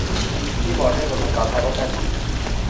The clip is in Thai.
คีย์บอร์ดเรียกเป็นภาษาไทยว่าแป้นพิมพ์